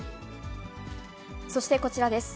そしてこちらです。